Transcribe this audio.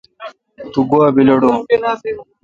تو گوا بیلڑون۔